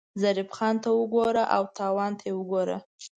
ظریف خان ته ګوره او تاوان ته یې ګوره.